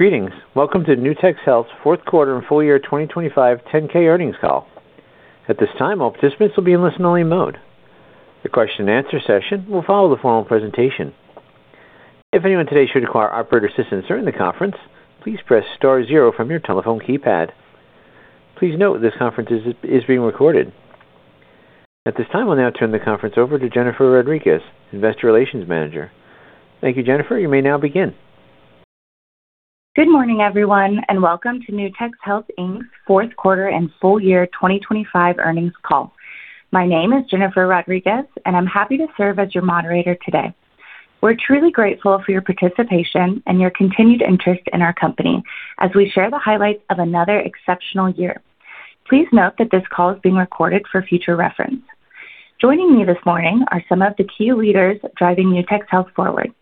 Greetings. Welcome to Nutex Health's fourth quarter and full year 2025 10-K earnings call. At this time, all participants will be in listen-only mode. The question and answer session will follow the formal presentation. If anyone today should require operator assistance during the conference, please press star zero from your telephone keypad. Please note this conference is being recorded. At this time, I'll now turn the conference over to Jennifer Rodriguez, Investor Relations Manager. Thank you, Jennifer. You may now begin. Good morning, everyone, welcome to Nutex Health Inc's fourth quarter and full year 2025 earnings call. My name is Jennifer Rodriguez, I'm happy to serve as your moderator today. We're truly grateful for your participation and your continued interest in our company as we share the highlights of another exceptional year. Please note that this call is being recorded for future reference. Joining me this morning are some of the key leaders driving Nutex Health forward.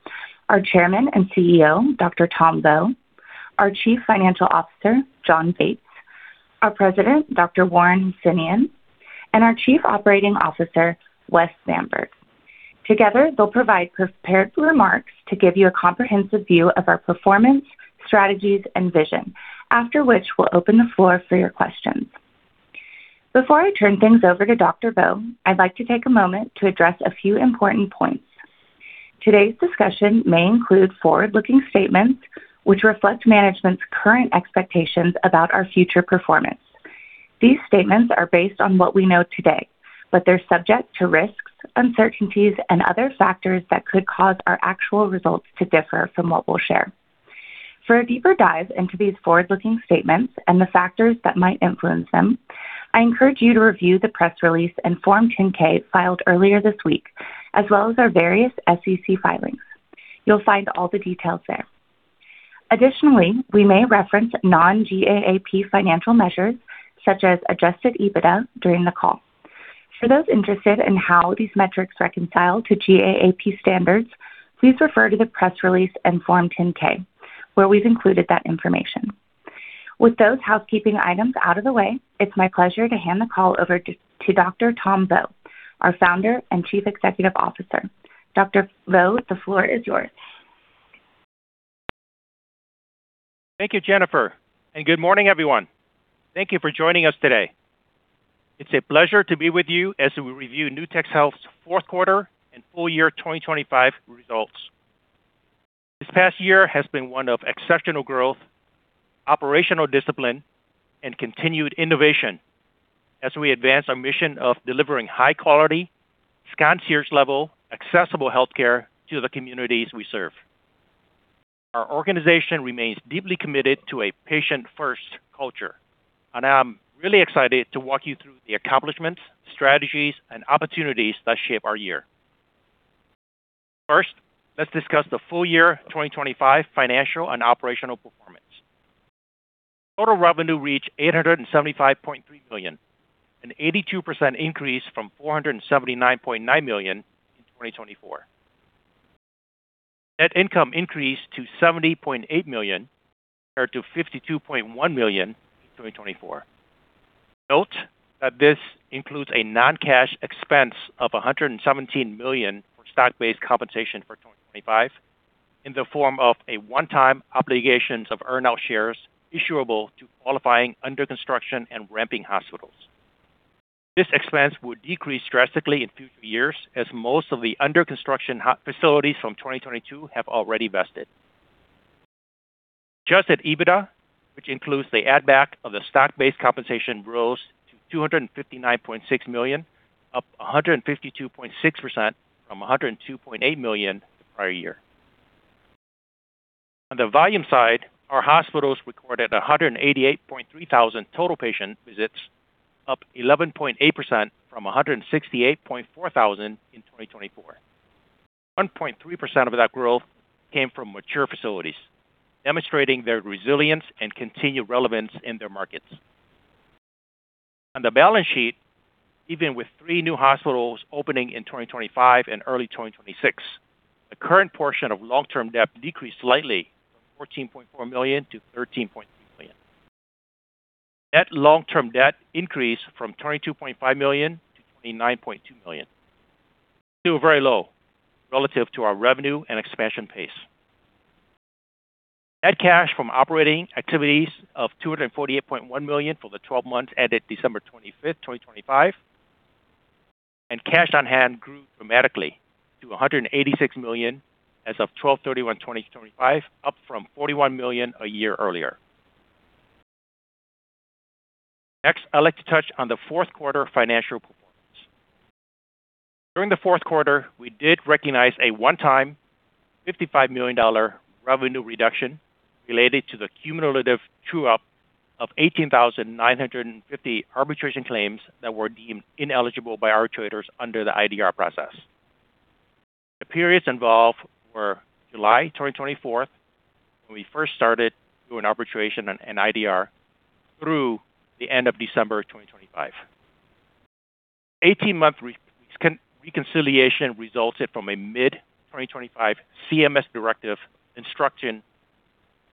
Our Chairman and CEO, Dr. Tom Vo, our Chief Financial Officer, Jon Bates, our President, Dr. Warren Hosseinion, and our Chief Operating Officer, Wesley Bamburg. Together, they'll provide prepared remarks to give you a comprehensive view of our performance, strategies, and vision, after which we'll open the floor for your questions. Before I turn things over to Dr. Vo, I'd like to take a moment to address a few important points. Today's discussion may include forward-looking statements which reflect management's current expectations about our future performance. These statements are based on what we know today, but they're subject to risks, uncertainties, and other factors that could cause our actual results to differ from what we'll share. For a deeper dive into these forward-looking statements and the factors that might influence them, I encourage you to review the press release and Form 10-K filed earlier this week, as well as our various SEC filings. You'll find all the details there. Additionally, we may reference non-GAAP financial measures such as adjusted EBITDA during the call. For those interested in how these metrics reconcile to GAAP standards, please refer to the press release and Form 10-K, where we've included that information. With those housekeeping items out of the way, it's my pleasure to hand the call over to Dr. Tom Vo, our Founder and Chief Executive Officer. Dr. Vo, the floor is yours. Thank you, Jennifer, and good morning, everyone. Thank you for joining us today. It's a pleasure to be with you as we review Nutex Health's fourth quarter and full year 2025 results. This past year has been one of exceptional growth, operational discipline, and continued innovation as we advance our mission of delivering high quality, concierge-level, accessible healthcare to the communities we serve. Our organization remains deeply committed to a patient-first culture, and I'm really excited to walk you through the accomplishments, strategies, and opportunities that shape our year. First, let's discuss the full year 2025 financial and operational performance. Total revenue reached $875.3 million, an 82% increase from $479.9 million in 2024. Net income increased to $70.8 million compared to $52.1 million in 2024. Note that this includes a non-cash expense of $117 million for stock-based compensation for 2025 in the form of a one-time obligations of earnout shares issuable to qualifying under construction and ramping hospitals. This expense will decrease drastically in future years as most of the under construction facilities from 2022 have already vested. Adjusted EBITDA, which includes the add back of the stock-based compensation, rose to $259.6 million, up 152.6% from $102.8 million the prior year. On the volume side, our hospitals recorded 188.3 thousand total patient visits, up 11.8% from 168.4 thousand in 2024. 1.3% of that growth came from mature facilities, demonstrating their resilience and continued relevance in their markets. On the balance sheet, even with three new hospitals opening in 2025 and early 2026, the current portion of long-term debt decreased slightly from $14.4 million-$13.3 million. Net long-term debt increased from $22.5 million-$29.2 million. Still very low relative to our revenue and expansion pace. Net cash from operating activities of $248.1 million for the 12 months ended December 25, 2025. Cash on hand grew dramatically to $186 million as of December 31, 2025, up from $41 million a year earlier. Next, I'd like to touch on the fourth quarter financial performance. During the fourth quarter, we did recognize a one-time $55 million revenue reduction related to the cumulative true-up of 18,950 arbitration claims that were deemed ineligible by arbitrators under the IDR process. The periods involved were July 24, 2024, when we first started doing arbitration and IDR, through the end of December 2025. The 18-month reconciliation resulted from a mid-2025 CMS directive instructing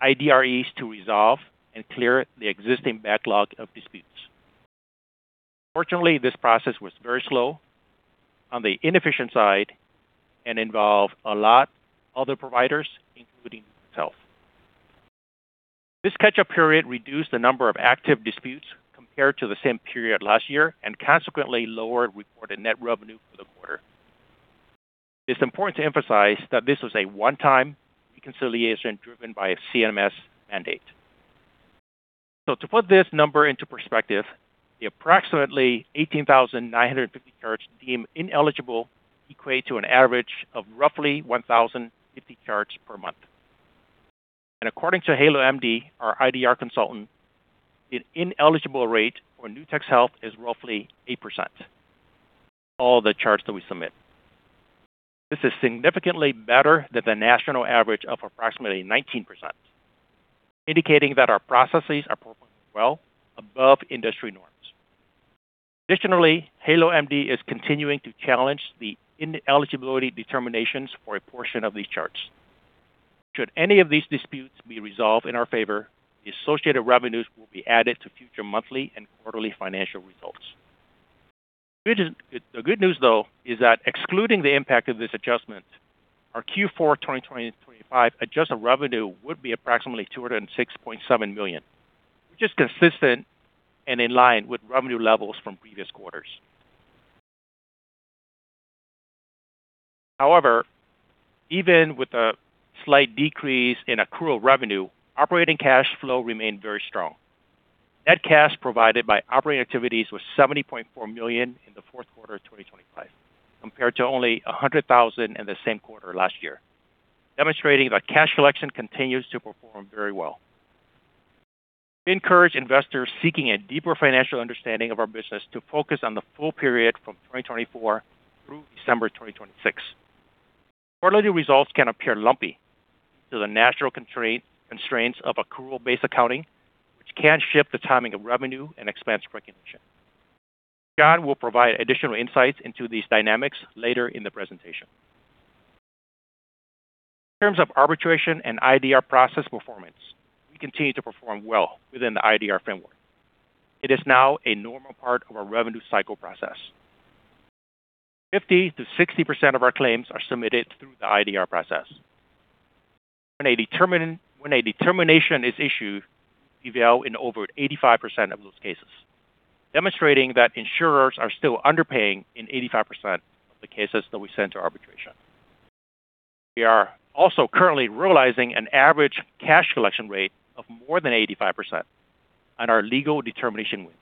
IDREs to resolve and clear the existing backlog of disputes. Unfortunately, this process was very slow on the inefficient side and involved a lot other providers, including itself. This catch-up period reduced the number of active disputes compared to the same period last year and consequently lowered reported net revenue for the quarter. It's important to emphasize that this was a one-time reconciliation driven by a CMS mandate. To put this number into perspective, the approximately 18,950 charts deemed ineligible equate to an average of roughly 1,050 charts per month. According to HaloMD, our IDR consultant, the ineligible rate for Nutex Health is roughly 8% of all the charts that we submit. This is significantly better than the national average of approximately 19%, indicating that our processes are performing well above industry norms. Additionally, HaloMD is continuing to challenge the ineligibility determinations for a portion of these charts. Should any of these disputes be resolved in our favor, the associated revenues will be added to future monthly and quarterly financial results. The good news, though, is that excluding the impact of this adjustment, our Q4 2025 adjusted revenue would be approximately $206.7 million, which is consistent and in line with revenue levels from previous quarters. However, even with a slight decrease in accrual revenue, operating cash flow remained very strong. Net cash provided by operating activities was $70.4 million in the fourth quarter of 2025, compared to only $100 thousand in the same quarter last year, demonstrating that cash collection continues to perform very well. We encourage investors seeking a deeper financial understanding of our business to focus on the full period from 2024 through December 2026. Quarterly results can appear lumpy to the natural constraints of accrual-based accounting, which can shift the timing of revenue and expense recognition. Jon will provide additional insights into these dynamics later in the presentation. In terms of arbitration and IDR process performance, we continue to perform well within the IDR framework. It is now a normal part of our revenue cycle process. 50%-60% of our claims are submitted through the IDR process. When a determination is issued, we fail in over 85% of those cases, demonstrating that insurers are still underpaying in 85% of the cases that we send to arbitration. We are also currently realizing an average cash collection rate of more than 85% on our legal determination wins.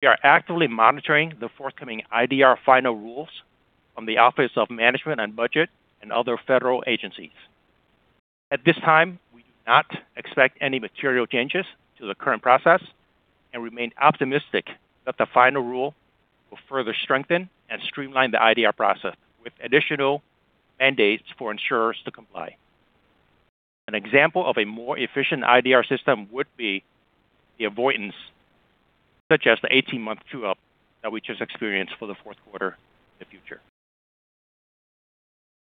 We are actively monitoring the forthcoming IDR final rules from the Office of Management and Budget and other federal agencies. At this time, we do not expect any material changes to the current process and remain optimistic that the final rule will further strengthen and streamline the IDR process with additional mandates for insurers to comply. An example of a more efficient IDR system would be the avoidance, such as the 18-month true-up that we just experienced for the fourth quarter in the future.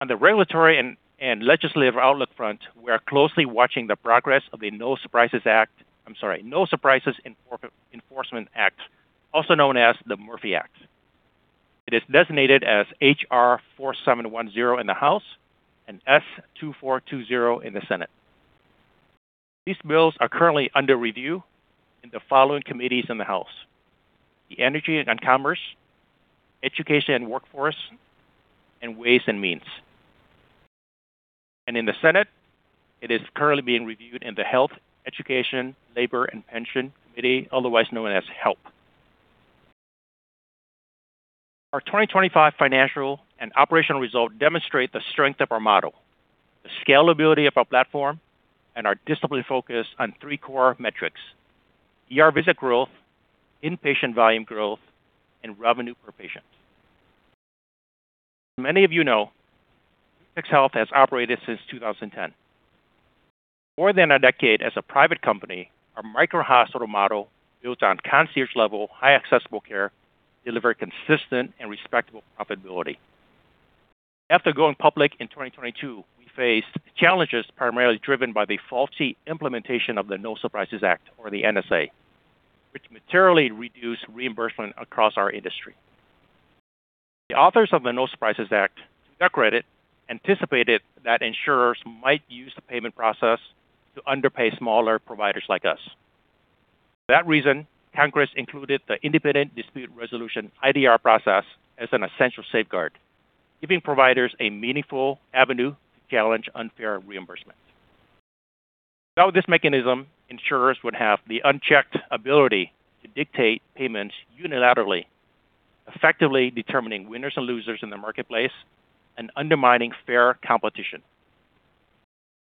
On the regulatory and legislative outlook front, we are closely watching the progress of the No Surprises Act. I'm sorry, No Surprises Enforcement Act, also known as the Murphy Act. It is designated as H.R. 4710 in the House and S. 2420 in the Senate. These bills are currently under review in the following committees in the House: The Energy and Commerce, Education and Workforce, and Ways and Means. In the Senate, it is currently being reviewed in the Health, Education, Labor, and Pension Committee, otherwise known as HELP. Our 2025 financial and operational results demonstrate the strength of our model, the scalability of our platform, and our disciplined focus on three core metrics: ER visit growth, inpatient volume growth, and revenue per patient. As many of you know, Nutex Health has operated since 2010. More than a decade as a private company, our micro hospital model builds on concierge-level, high accessible care, delivered consistent and respectable profitability. After going public in 2022, we faced challenges primarily driven by the faulty implementation of the No Surprises Act, or the NSA, which materially reduced reimbursement across our industry. The authors of the No Surprises Act, to their credit, anticipated that insurers might use the payment process to underpay smaller providers like us. For that reason, Congress included the Independent Dispute Resolution IDR process as an essential safeguard, giving providers a meaningful avenue to challenge unfair reimbursements. Without this mechanism, insurers would have the unchecked ability to dictate payments unilaterally, effectively determining winners and losers in the marketplace and undermining fair competition.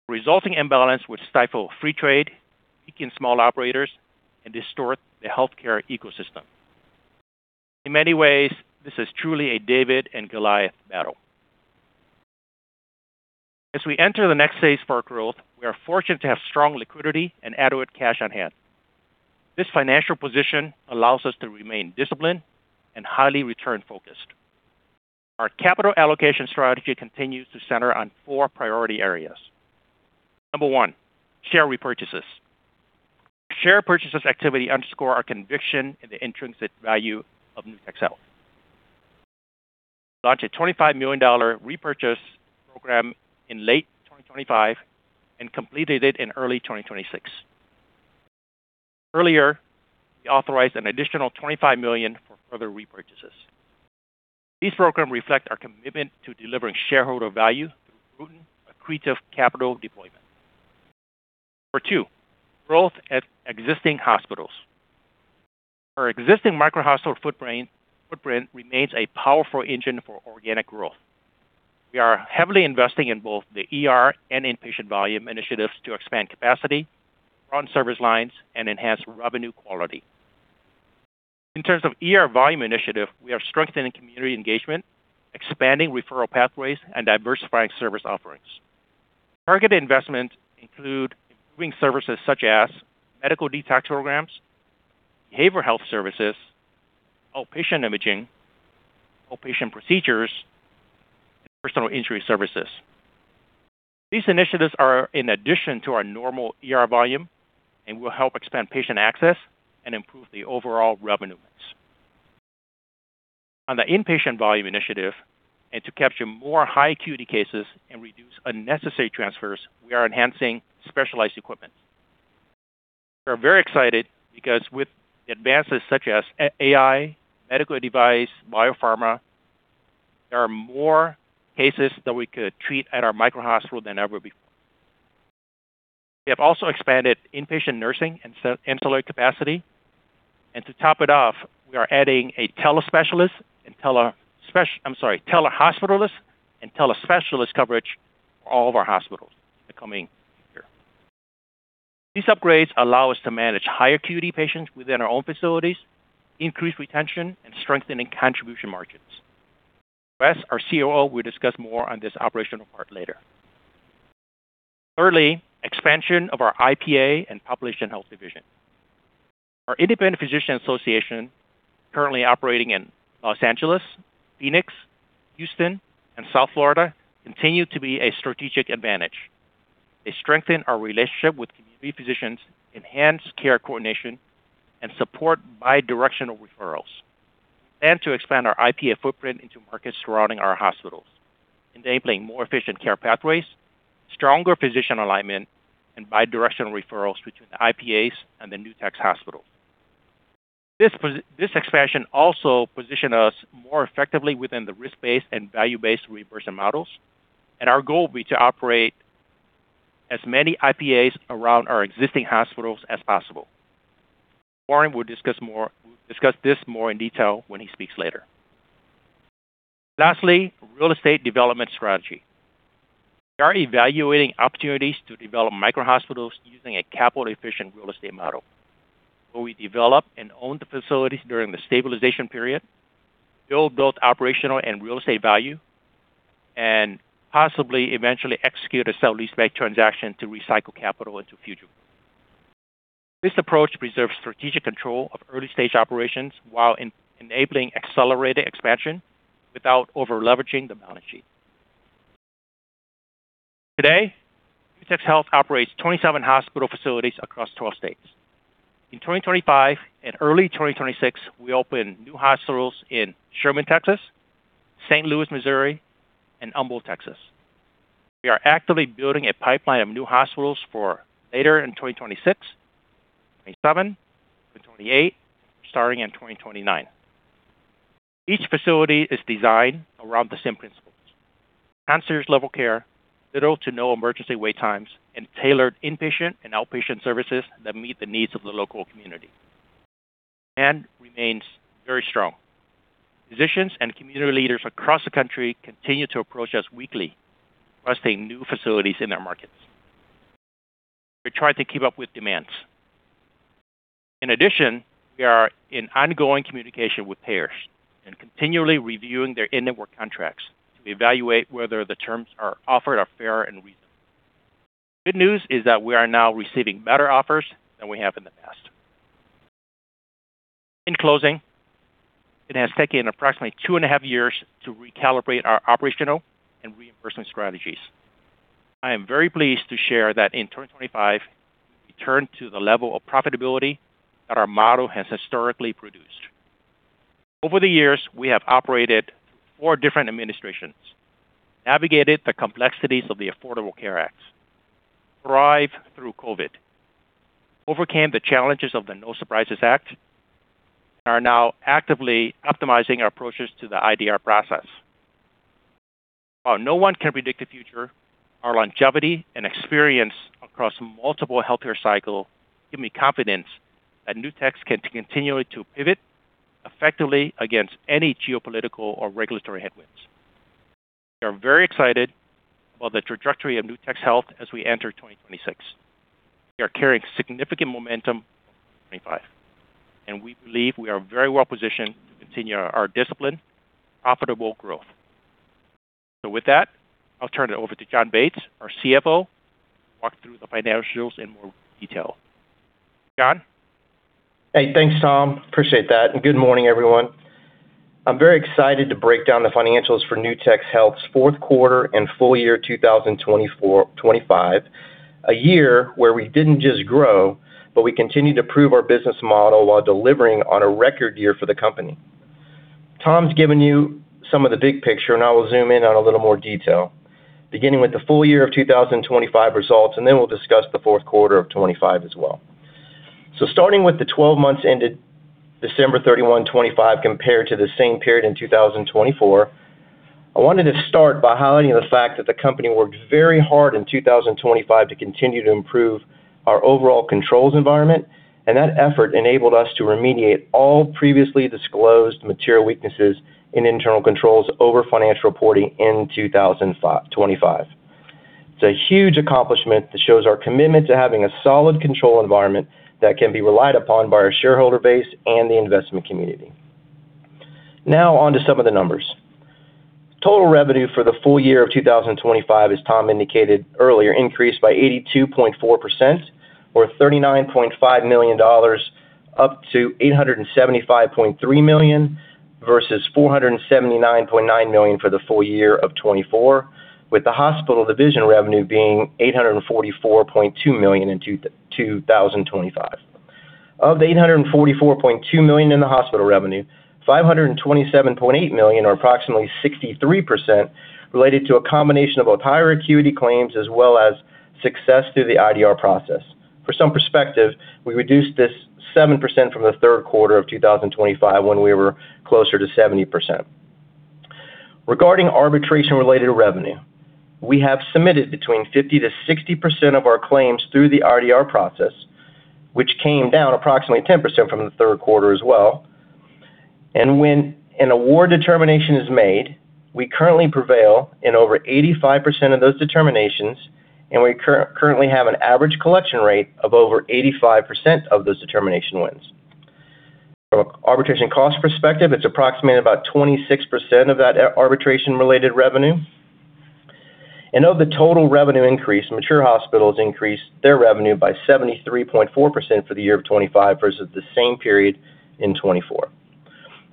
The resulting imbalance would stifle free trade, weaken small operators, and distort the healthcare ecosystem. In many ways, this is truly a David and Goliath battle. As we enter the next phase for our growth, we are fortunate to have strong liquidity and adequate cash on hand. This financial position allows us to remain disciplined and highly return-focused. Our capital allocation strategy continues to center on four priority areas. Number one, share repurchases. Share purchases activity underscore our conviction in the intrinsic value of Nutex Health. We launched a $25 million repurchase program in late 2025 and completed it in early 2026. Earlier, we authorized an additional $25 million for further repurchases. These programs reflect our commitment to delivering shareholder value through prudent, accretive capital deployment. Number two, growth at existing hospitals. Our existing micro-hospital footprint remains a powerful engine for organic growth. We are heavily investing in both the ER and inpatient volume initiatives to expand capacity, run service lines, and enhance revenue quality. In terms of ER volume initiative, we are strengthening community engagement, expanding referral pathways, and diversifying service offerings. Targeted investments include improving services such as medical detox programs, behavioral health services, outpatient imaging, outpatient procedures, and personal injury services. These initiatives are in addition to our normal ER volume and will help expand patient access and improve the overall revenue mix. To capture more high acuity cases and reduce unnecessary transfers, we are enhancing specialized equipment. We are very excited because with advances such as AI, medical device, biopharma, there are more cases that we could treat at our micro hospital than ever before. We have also expanded inpatient nursing and insular capacity. We are adding a telehospitalist and telespecialist coverage for all of our hospitals in the coming year. These upgrades allow us to manage higher acuity patients within our own facilities, increase retention, and strengthen contribution margins. Wes, our COO, will discuss more on this operational part later. Expansion of our IPA and population health division. Our Independent Physician Association, currently operating in Los Angeles, Phoenix, Houston, and South Florida, continues to be a strategic advantage. They strengthen our relationship with community physicians, enhance care coordination, and support bi-directional referrals. Plan to expand our IPA footprint into markets surrounding our hospitals, enabling more efficient care pathways, stronger physician alignment, and bi-directional referrals between the IPAs and the Nutex's hospitals. This expansion also position us more effectively within the risk-based and value-based reimbursement models, and our goal will be to operate as many IPAs around our existing hospitals as possible. Warren will discuss this more in detail when he speaks later. Lastly, real estate development strategy. We are evaluating opportunities to develop micro-hospitals using a capital-efficient real estate model, where we develop and own the facilities during the stabilization period, build both operational and real estate value, and possibly eventually execute a sale leaseback transaction to recycle capital into future. This approach preserves strategic control of early-stage operations while enabling accelerated expansion without over-leveraging the balance sheet. Today, Nutex Health operates 27 hospital facilities across 12 states. In 2025 and early 2026, we opened new hospitals in Sherman, Texas, St. Louis, Missouri, and Humble, Texas. We are actively building a pipeline of new hospitals for later in 2026, 2027, 2028, starting in 2029. Each facility is designed around the same principles: concierge-level care, little to no emergency wait times, and tailored inpatient and outpatient services that meet the needs of the local community. Demand remains very strong. Physicians and community leaders across the country continue to approach us weekly, requesting new facilities in their markets. We try to keep up with demands. In addition, we are in ongoing communication with payers and continually reviewing their in-network contracts to evaluate whether the terms are offered are fair and reasonable. The good news is that we are now receiving better offers than we have in the past. In closing, it has taken approximately two and a half years to recalibrate our operational and reimbursement strategies. I am very pleased to share that in 2025, we turned to the level of profitability that our model has historically produced. Over the years, we have operated four different administrations, navigated the complexities of the Affordable Care Act, thrived through COVID, overcame the challenges of the No Surprises Act, and are now actively optimizing our approaches to the IDR process. While no one can predict the future, our longevity and experience across multiple healthcare cycle give me confidence that Nutex can continue to pivot effectively against any geopolitical or regulatory headwinds. We are very excited about the trajectory of Nutex Health as we enter 2026. We are carrying significant momentum from 2025, and we believe we are very well positioned to continue our discipline, profitable growth. With that, I'll turn it over to Jon Bates, our CFO, to walk through the financials in more detail. Jon? Hey, thanks, Tom. Appreciate that. Good morning, everyone. I'm very excited to break down the financials for Nutex Health's fourth quarter and full year 2025, a year where we didn't just grow, but we continued to prove our business model while delivering on a record year for the company. Tom's given you some of the big picture. I will zoom in on a little more detail, beginning with the full year of 2025 results. We'll discuss the fourth quarter of 2025 as well. Starting with the 12 months ended December 31, 2025, compared to the same period in 2024. I wanted to start by highlighting the fact that the company worked very hard in 2025 to continue to improve our overall controls environment. That effort enabled us to remediate all previously disclosed material weaknesses in internal controls over financial reporting in 2025. It's a huge accomplishment that shows our commitment to having a solid control environment that can be relied upon by our shareholder base and the investment community. Now on to some of the numbers. Total revenue for the full year of 2025, as Tom indicated earlier, increased by 82.4% or $39.5 million, up to $875.3 million versus $479.9 million for the full year of 2024, with the hospital division revenue being $844.2 million in 2025. Of the $844.2 million in the hospital revenue, $527.8 million, or approximately 63%, related to a combination of both higher acuity claims as well as success through the IDR process. For some perspective, we reduced this 7% from the third quarter of 2025 when we were closer to 70%. Regarding arbitration-related revenue, we have submitted between 50%-60% of our claims through the RDR process, which came down approximately 10% from the third quarter as well. When an award determination is made, we currently prevail in over 85% of those determinations, and we currently have an average collection rate of over 85% of those determination wins. From arbitration cost perspective, it's approximately about 26% of that arbitration-related revenue. Of the total revenue increase, mature hospitals increased their revenue by 73.4% for the year of 2025 versus the same period in 2024.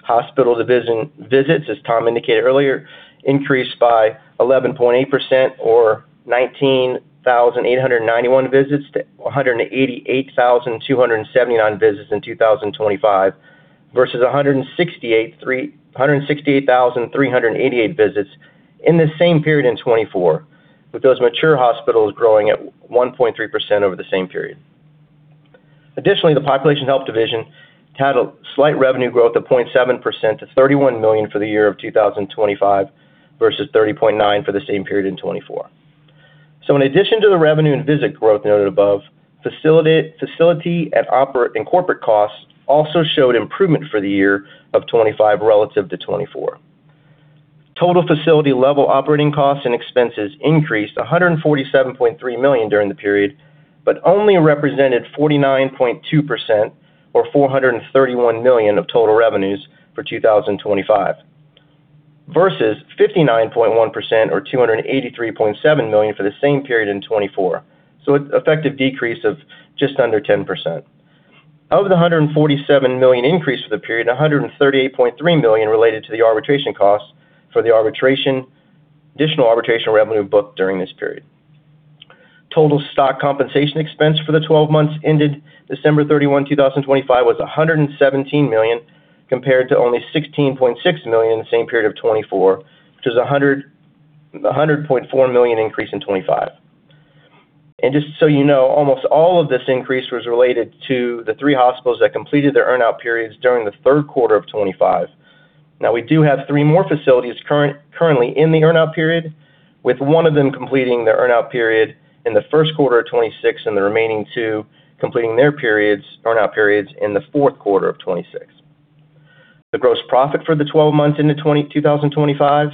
Hospital division visits, as Tom indicated earlier, increased by 11.8% or 19,891 visits to 188,279 visits in 2025 versus 168,388 visits in the same period in 2024, with those mature hospitals growing at 1.3% over the same period. Additionally, the population health division had a slight revenue growth of 0.7% to $31 million for the year of 2025 versus $30.9 million for the same period in 2024. In addition to the revenue and visit growth noted above, facility and corporate costs also showed improvement for the year of 2025 relative to 2024. Total facility level operating costs and expenses increased $147.3 million during the period, but only represented 49.2% or $431 million of total revenues for 2025 versus 59.1% or $283.7 million for the same period in 2024. An effective decrease of just under 10%. Of the $147 million increase for the period, $138.3 million related to the arbitration costs for the additional arbitration revenue booked during this period. Total stock compensation expense for the 12 months ended December 31, 2025 was $117 million, compared to only $16.6 million in the same period of 2024, which is a $100.4 million increase in 2025. Just so you know, almost all of this increase was related to the three hospitals that completed their earn-out periods during the third quarter of 2025. We do have three more facilities currently in the earn-out period, with one of them completing their earn-out period in the first quarter of 2026 and the remaining two completing their earn-out periods in the fourth quarter of 2026. The gross profit for the 12 months into 2025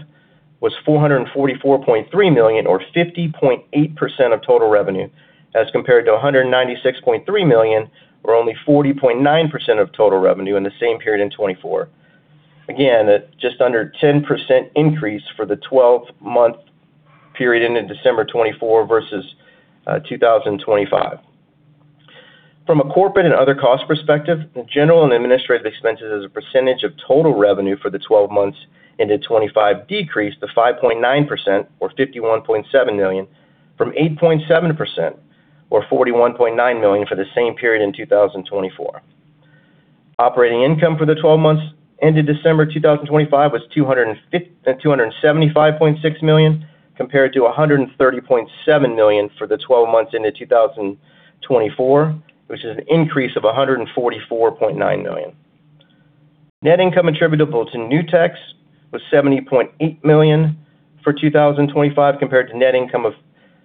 was $444.3 million or 50.8% of total revenue, as compared to $196.3 million or only 40.9% of total revenue in the same period in 2024. Again, just under 10% increase for the 12-month period ending December 2024 versus 2025. From a corporate and other cost perspective, general and administrative expenses as a percentage of total revenue for the 12 months into 2025 decreased to 5.9% or $51.7 million from 8.7% or $41.9 million for the same period in 2024. Operating income for the 12 months ended December 2025 was $275.6 million, compared to $130.7 million for the 12 months into 2024, which is an increase of $144.9 million. Net income attributable to Nutex's was $70.8 million for 2025 compared to net income of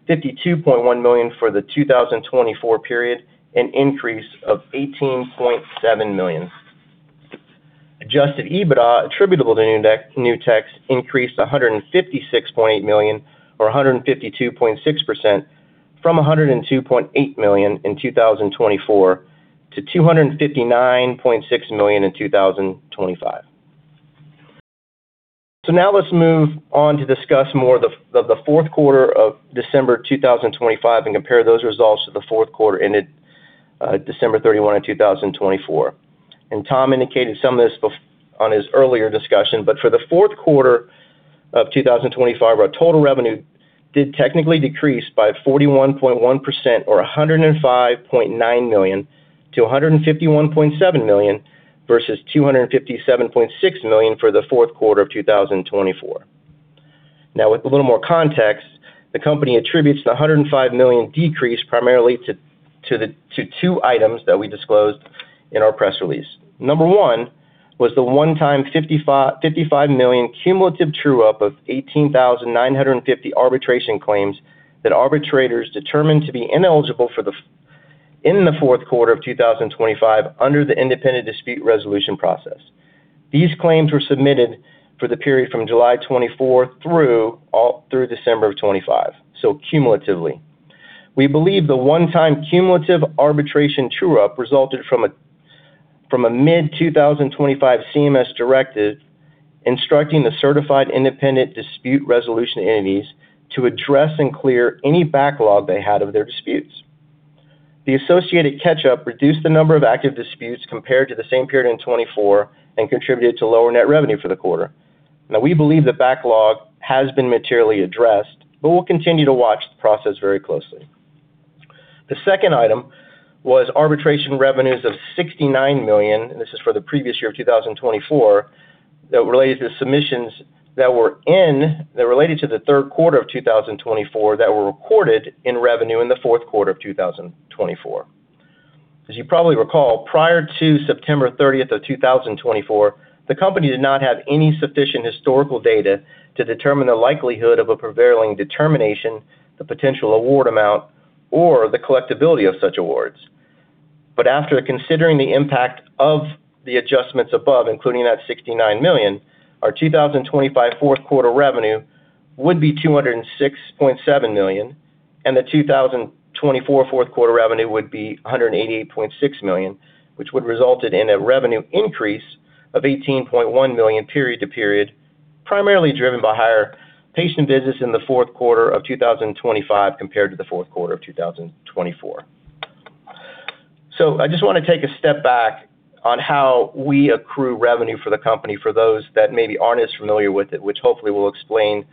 $52.1 million for the 2024 period, an increase of $18.7 million. Adjusted EBITDA attributable to Nutex's increased $156.8 million or 152.6% from $102.8 million in 2024 to $259.6 million in 2025. Now let's move on to discuss more of the fourth quarter of December 2025 and compare those results to the fourth quarter ended December 31, 2024. Tom indicated some of this on his earlier discussion. For the fourth quarter of 2025, our total revenue did technically decrease by 41.1% or $105.9 million to $151.7 million, versus $257.6 million for the fourth quarter of 2024. With a little more context, the company attributes the $105 million decrease primarily to two items that we disclosed in our press release. Number one was the one-time $55 million cumulative true-up of 18,950 arbitration claims that arbitrators determined to be ineligible in the fourth quarter of 2025 under the independent dispute resolution process. These claims were submitted for the period from July of 2024 through December of 2025, cumulatively. We believe the one-time cumulative arbitration true-up resulted from a mid-2025 CMS directive instructing the certified Independent Dispute Resolution Entities to address and clear any backlog they had of their disputes. The associated catch-up reduced the number of active disputes compared to the same period in 2024 and contributed to lower net revenue for the quarter. We believe the backlog has been materially addressed, but we'll continue to watch the process very closely. The second item was arbitration revenues of $69 million, and this is for the previous year of 2024, that relates to submissions that related to the third quarter of 2024 that were recorded in revenue in the fourth quarter of 2024. As you probably recall, prior to September 30, 2024, the company did not have any sufficient historical data to determine the likelihood of a prevailing determination, the potential award amount, or the collectibility of such awards. After considering the impact of the adjustments above, including that $69 million, our 2025 fourth quarter revenue would be $206.7 million, and the 2024 fourth quarter revenue would be $188.6 million, which would resulted in a revenue increase of $18.1 million period to period, primarily driven by higher patient visits in the fourth quarter of 2025 compared to the fourth quarter of 2024. I just wanna take a step back on how we accrue revenue for the company for those that maybe aren't as familiar with it, which hopefully will explain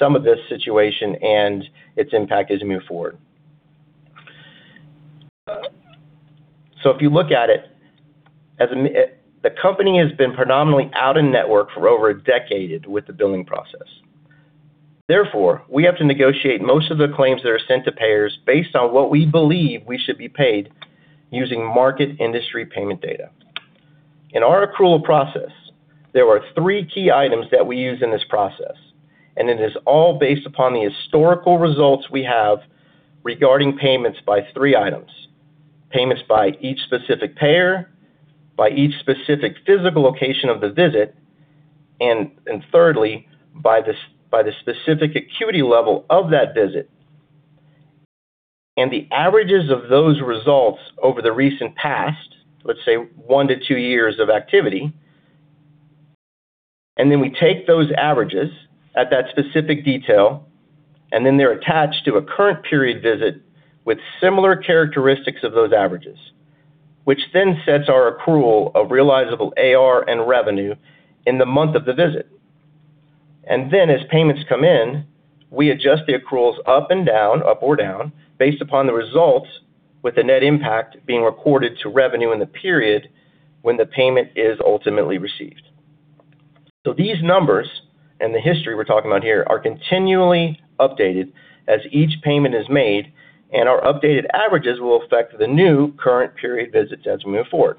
some of this situation and its impact as we move forward. If you look at it, the company has been predominantly out-of-network for over a decade with the billing process. Therefore, we have to negotiate most of the claims that are sent to payers based on what we believe we should be paid using market industry payment data. In our accrual process, there are three key items that we use in this process, and it is all based upon the historical results we have regarding payments by three items: payments by each specific payer, by each specific physical location of the visit, and thirdly, by the specific acuity level of that visit. The averages of those results over the recent past, let's say one to two years of activity, and then we take those averages at that specific detail, and then they're attached to a current period visit with similar characteristics of those averages, which then sets our accrual of realizable AR and revenue in the month of the visit. As payments come in, we adjust the accruals up and down, up or down, based upon the results with the net impact being recorded to revenue in the period when the payment is ultimately received. These numbers, and the history we're talking about here, are continually updated as each payment is made, and our updated averages will affect the new current period visits as we move forward.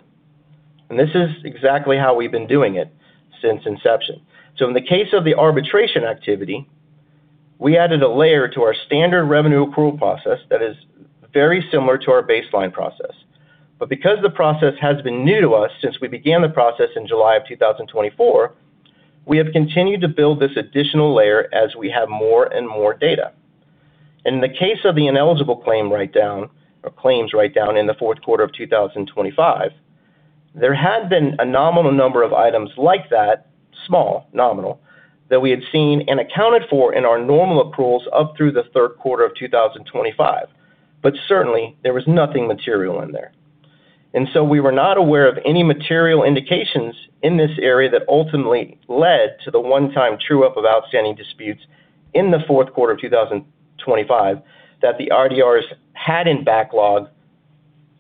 This is exactly how we've been doing it since inception. In the case of the arbitration activity, we added a layer to our standard revenue accrual process that is very similar to our baseline process. Because the process has been new to us since we began the process in July of 2024, we have continued to build this additional layer as we have more and more data. In the case of the ineligible claim write-down or claims write-down in the fourth quarter of 2025, there had been a nominal number of items like that, small, nominal, that we had seen and accounted for in our normal accruals up through the third quarter of 2025. Certainly, there was nothing material in there. We were not aware of any material indications in this area that ultimately led to the one-time true-up of outstanding disputes in the fourth quarter of 2025 that the RDRs had in backlog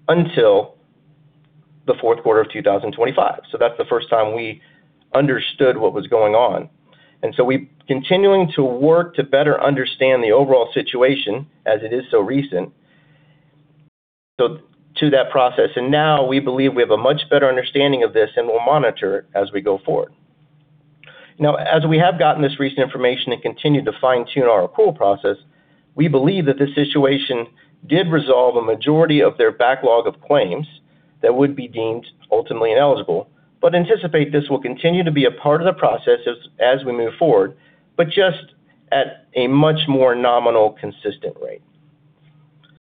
until the fourth quarter of 2025. That's the first time we understood what was going on. We're continuing to work to better understand the overall situation as it is so recent. To that process, and now we believe we have a much better understanding of this, and we'll monitor as we go forward. As we have gotten this recent information and continued to fine-tune our accrual process, we believe that this situation did resolve a majority of their backlog of claims that would be deemed ultimately ineligible, but anticipate this will continue to be a part of the process as we move forward, but just at a much more nominal, consistent rate.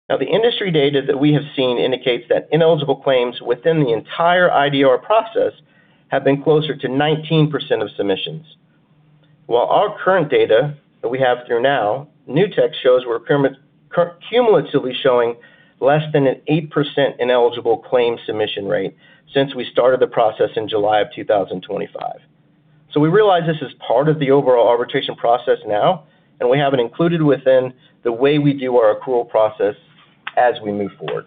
The industry data that we have seen indicates that ineligible claims within the entire IDR process have been closer to 19% of submissions. While our current data that we have through now, Nutex shows we're currently cumulatively showing less than an 8% ineligible claim submission rate since we started the process in July of 2025. We realize this is part of the overall arbitration process now, and we have it included within the way we do our accrual process as we move forward.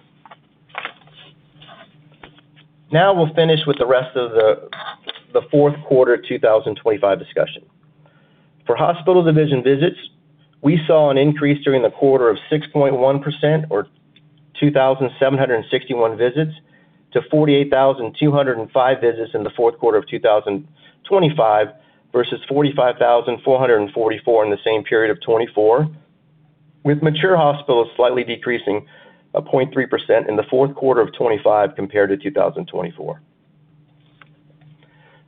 We'll finish with the rest of the fourth quarter of 2025 discussion. For hospital division visits, we saw an increase during the quarter of 6.1% or 2,761 visits to 48,205 visits in the fourth quarter of 2025 versus 45,444 in the same period of 2024, with mature hospitals slightly decreasing 0.3% in the fourth quarter of 2025 compared to 2024.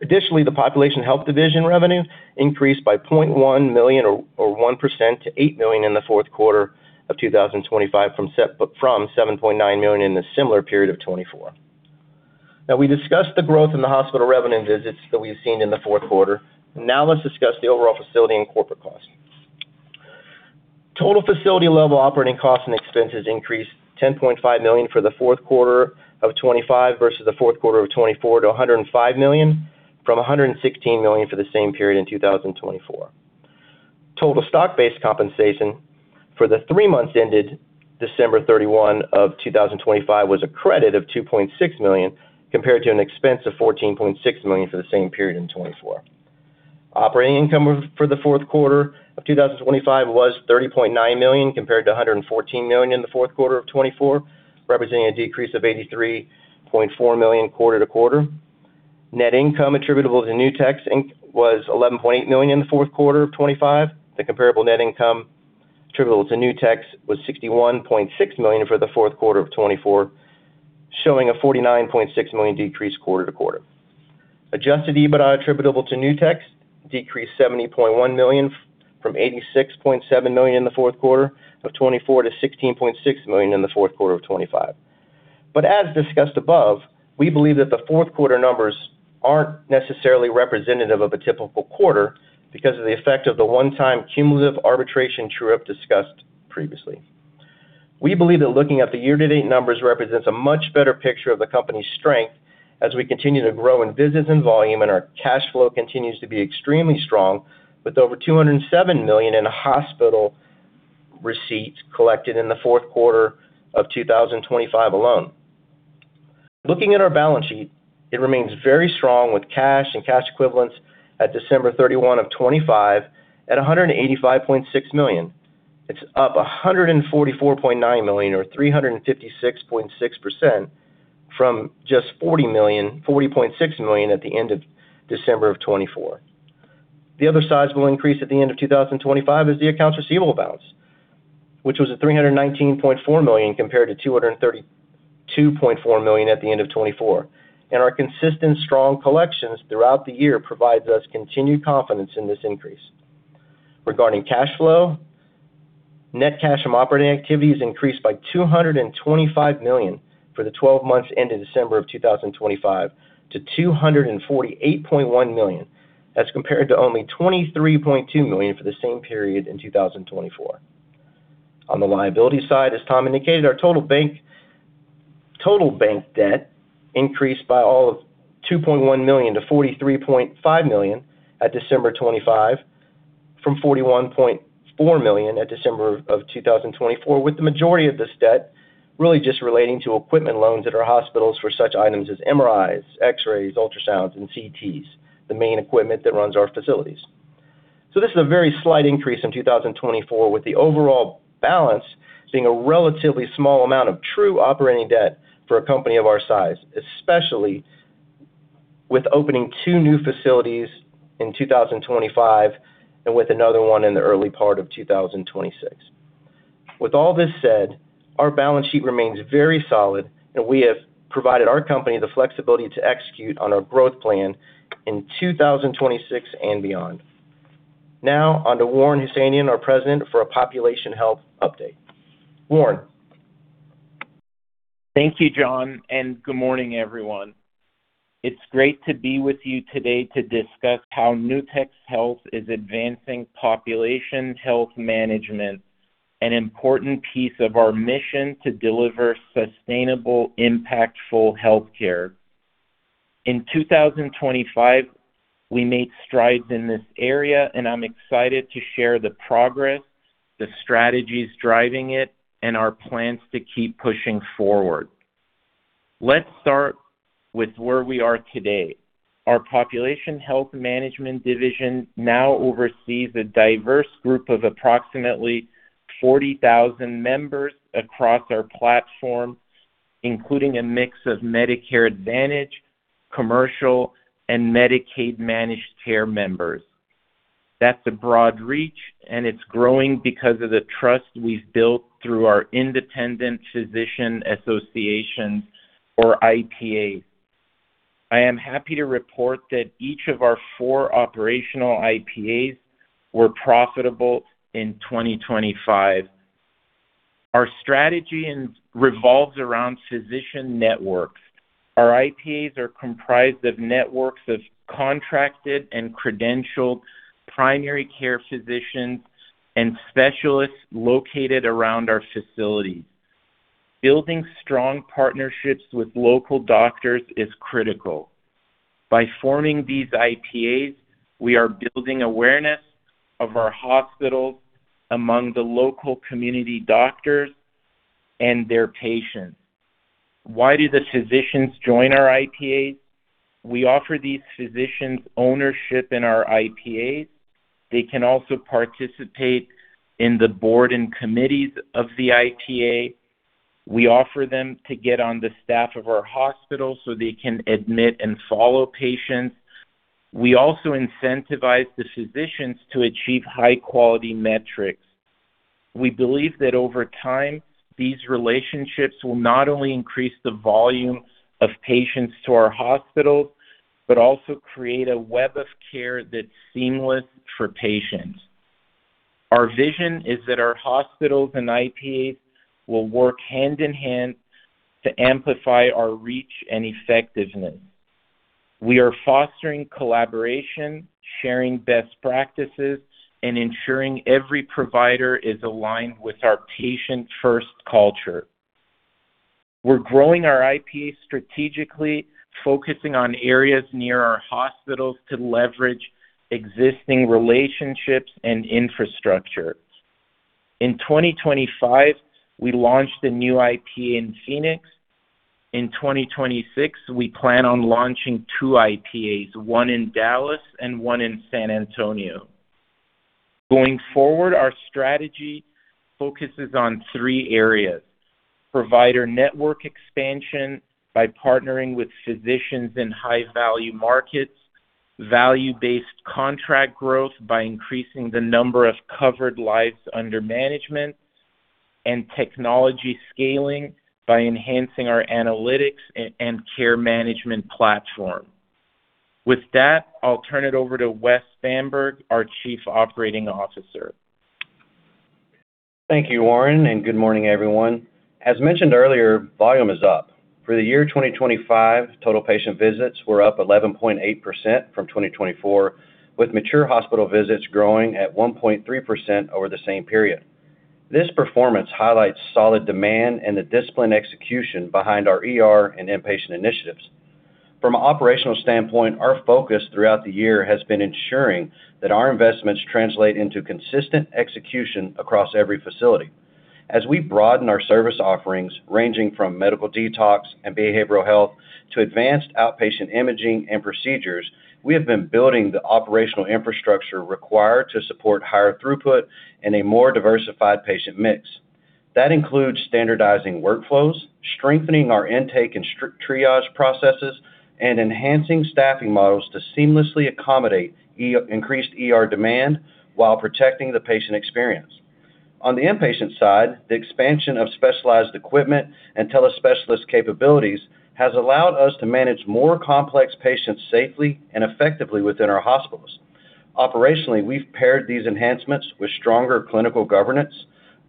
Additionally, the population health division revenue increased by $0.1 million or 1% to $8 million in the fourth quarter of 2025 from $7.9 million in the similar period of 2024. We discussed the growth in the hospital revenue visits that we've seen in the fourth quarter. Now let's discuss the overall facility and corporate costs. Total facility level operating costs and expenses increased $10.5 million for the fourth quarter of 2025 versus the fourth quarter of 2024 to $105 million from $116 million for the same period in 2024. Total stock-based compensation for the three months ended December 31, 2025 was a credit of $2.6 million compared to an expense of $14.6 million for the same period in 2024. Operating income for the fourth quarter of 2025 was $30.9 million compared to $114 million in the fourth quarter of 2024, representing a decrease of $83.4 million quarter-to-quarter. Net income attributable to Nutex's Inc. was $11.8 million in the fourth quarter of 2025. The comparable net income attributable to Nutex's was $61.6 million for the fourth quarter of 2024, showing a $49.6 million decrease quarter-to-quarter. Adjusted EBITDA attributable to Nutex's decreased $70.1 million from $86.7 million in the fourth quarter of 2024 to $16.6 million in the fourth quarter of 2025. As discussed above, we believe that the fourth quarter numbers aren't necessarily representative of a typical quarter because of the effect of the one-time cumulative arbitration true-up discussed previously. We believe that looking at the year-to-date numbers represents a much better picture of the company's strength as we continue to grow in visits and volume, and our cash flow continues to be extremely strong with over $207 million in hospital receipts collected in the fourth quarter of 2025 alone. Looking at our balance sheet, it remains very strong with cash and cash equivalents at December 31 of 2025 at $185.6 million. It's up $144.9 million or 356.6% from just $40.6 million at the end of December of 2024. The other sizable increase at the end of 2025 is the accounts receivable balance, which was at $319.4 million compared to $232.4 million at the end of 2024. Our consistent strong collections throughout the year provides us continued confidence in this increase. Regarding cash flow, net cash from operating activities increased by $225 million for the 12 months ended December of 2025 to $248.1 million. That's compared to only $23.2 million for the same period in 2024. On the liability side, as Tom indicated, our total bank debt increased by all of $2.1 million-$43.5 million at December 25 from $41.4 million at December of 2024, with the majority of this debt really just relating to equipment loans at our hospitals for such items as MRIs, X-rays, ultrasounds, and CTs, the main equipment that runs our facilities. This is a very slight increase from 2024, with the overall balance being a relatively small amount of true operating debt for a company of our size, especially with opening two new facilities in 2025 and with another one in the early part of 2026. With all this said, our balance sheet remains very solid, and we have provided our company the flexibility to execute on our growth plan in 2026 and beyond. Now on to Warren Hosseinion, our President, for a population health update. Warren. Thank you, Jon. Good morning, everyone. It's great to be with you today to discuss how Nutex Health is advancing population health management, an important piece of our mission to deliver sustainable, impactful healthcare. In 2025, we made strides in this area. I'm excited to share the progress, the strategies driving it, and our plans to keep pushing forward. Let's start with where we are today. Our population health management division now oversees a diverse group of approximately 40,000 members across our platform, including a mix of Medicare Advantage, commercial, and Medicaid managed care members. That's a broad reach. It's growing because of the trust we've built through our independent physician associations or IPAs. I am happy to report that each of our four operational IPAs were profitable in 2025. Our strategy revolves around physician networks. Our IPAs are comprised of networks of contracted and credentialed primary care physicians and specialists located around our facilities. Building strong partnerships with local doctors is critical. By forming these IPAs, we are building awareness of our hospitals among the local community doctors and their patients. Why do the physicians join our IPAs? We offer these physicians ownership in our IPAs. They can also participate in the board and committees of the IPA. We offer them to get on the staff of our hospital so they can admit and follow patients. We also incentivize the physicians to achieve high-quality metrics. We believe that over time, these relationships will not only increase the volume of patients to our hospitals, but also create a web of care that's seamless for patients. Our vision is that our hospitals and IPAs will work hand in hand to amplify our reach and effectiveness. We are fostering collaboration, sharing best practices, and ensuring every provider is aligned with our patient-first culture. We're growing our IPAs strategically, focusing on areas near our hospitals to leverage existing relationships and infrastructure. In 2025, we launched a new IPA in Phoenix. In 2026, we plan on launching two IPAs, one in Dallas and one in San Antonio. Going forward, our strategy focuses on three areas: provider network expansion by partnering with physicians in high-value markets, value-based contract growth by increasing the number of covered lives under management, and technology scaling by enhancing our analytics and care management platform. With that, I'll turn it over to Wesley Bamburg, our Chief Operating Officer. Thank you, Warren. Good morning, everyone. As mentioned earlier, volume is up. For the year 2025, total patient visits were up 11.8% from 2024, with mature hospital visits growing at 1.3% over the same period. This performance highlights solid demand and the disciplined execution behind our ER and inpatient initiatives. From an operational standpoint, our focus throughout the year has been ensuring that our investments translate into consistent execution across every facility. As we broaden our service offerings, ranging from medical detox and behavioral health to advanced outpatient imaging and procedures, we have been building the operational infrastructure required to support higher throughput and a more diversified patient mix. That includes standardizing workflows, strengthening our intake and triage processes, and enhancing staffing models to seamlessly accommodate increased ER demand while protecting the patient experience. On the inpatient side, the expansion of specialized equipment and telespecialist capabilities has allowed us to manage more complex patients safely and effectively within our hospitals. Operationally, we've paired these enhancements with stronger clinical governance,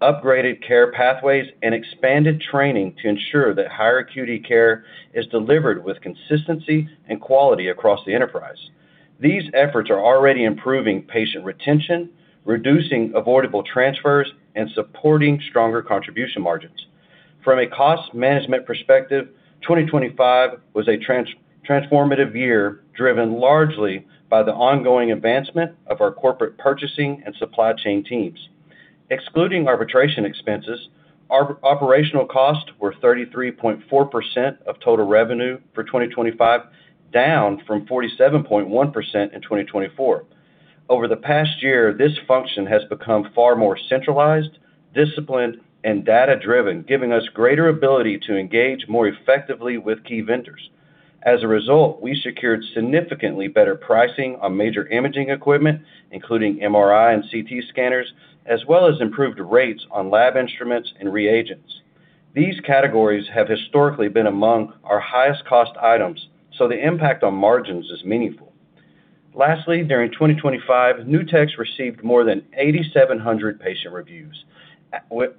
upgraded care pathways, and expanded training to ensure that higher acuity care is delivered with consistency and quality across the enterprise. These efforts are already improving patient retention, reducing avoidable transfers, and supporting stronger contribution margins. From a cost management perspective, 2025 was a transformative year, driven largely by the ongoing advancement of our corporate purchasing and supply chain teams. Excluding arbitration expenses, our operational costs were 33.4% of total revenue for 2025, down from 47.1% in 2024. Over the past year, this function has become far more centralized, disciplined, and data-driven, giving us greater ability to engage more effectively with key vendors. As a result, we secured significantly better pricing on major imaging equipment, including MRI and CT scanners, as well as improved rates on lab instruments and reagents. These categories have historically been among our highest cost items, so the impact on margins is meaningful. Lastly, during 2025, Nutex received more than 8,700 patient reviews,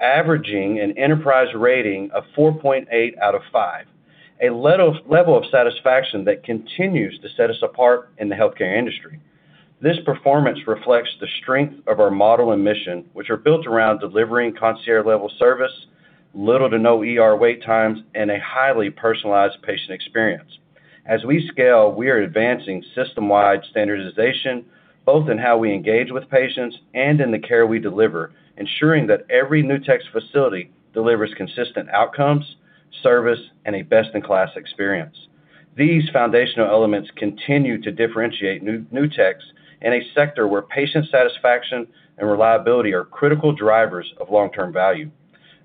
averaging an enterprise rating of 4.8 out of five, a level of satisfaction that continues to set us apart in the healthcare industry. This performance reflects the strength of our model and mission, which are built around delivering concierge-level service, little to no ER wait times, and a highly personalized patient experience. As we scale, we are advancing system-wide standardization, both in how we engage with patients and in the care we deliver, ensuring that every Nutex's facility delivers consistent outcomes, service, and a best-in-class experience. These foundational elements continue to differentiate Nutex's in a sector where patient satisfaction and reliability are critical drivers of long-term value.